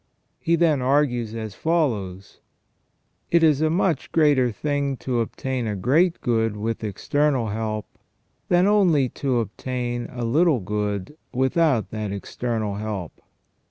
He then argues as follows : It is a much greater thing to obtain a great good with external help, than only to obtain a little good without that external help.